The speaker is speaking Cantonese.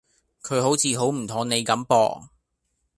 佢好似好唔妥你咁噃